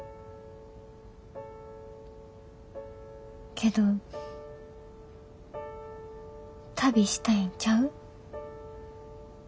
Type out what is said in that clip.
けど旅したいんちゃう？